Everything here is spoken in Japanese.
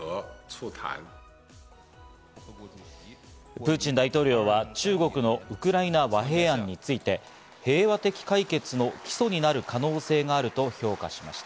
プーチン大統領は中国のウクライナ和平案について、平和的解決の基礎になる可能性があると評価しました。